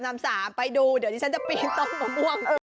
ติ๊กต๊อกชื่ออะไร